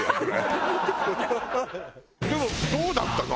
でもどうだったの？